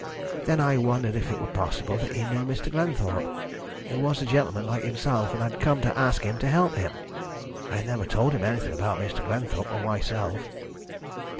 Then I wondered if it were possible that he knew Mr. Glenthorpe, who was a gentleman like himself, and had come to ask him to help him. I had never told him anything about Mr. Glenthorpe or myself.